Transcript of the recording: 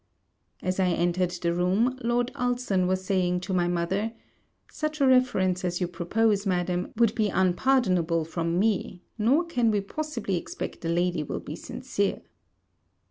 As I entered the room, Lord Ulson was saying to my mother, 'such a reference as you propose, Madam, would be unpardonable from me, nor can we possibly expect the lady will be sincere.'